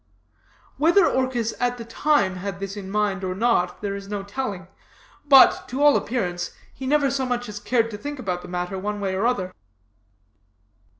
Whether Orchis at the time had this in mind or not, there is no sure telling; but, to all appearance, he never so much as cared to think about the matter, one way or other.